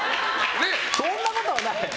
そんなことはない！